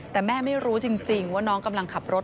แต่แม่ไม่รู้จริงว่าน้องกำลังขับรถ